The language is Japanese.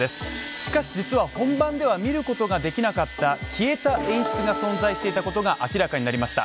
しかし実は本番では見ることのできなかった消えた演出が存在していたことが明らかになりました。